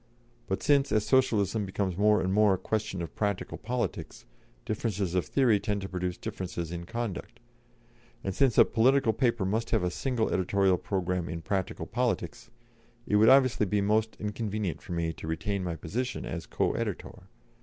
But since, as Socialism becomes more and more a question of practical politics, differences of theory tend to produce differences in conduct; and since a political paper must have a single editorial programme in practical politics, it would obviously be most inconvenient for me to retain my position as co editor.